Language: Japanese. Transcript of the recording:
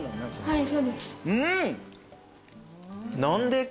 はい。